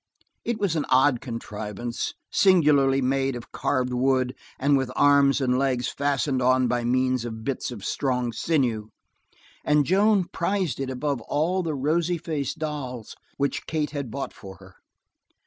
It was an odd contrivance, singularly made of carved wood and with arms and legs fastened on by means of bits of strong sinew, and Joan prized it above all the rosy faced dolls which Kate had bought for her.